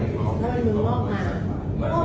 เราจอกเวิลใจทางเลี้ยงวันขโมยแล้ว